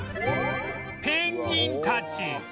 ペンギンたち